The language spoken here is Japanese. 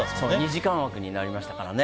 ２時間枠になりましたから。